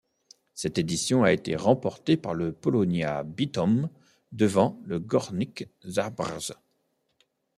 Cette édition a été remportée par le Polonia Bytom, devant le Górnik Zabrze.